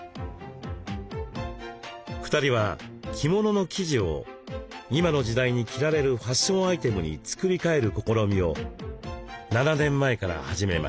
２人は着物の生地を今の時代に着られるファッションアイテムに作り替える試みを７年前から始めました。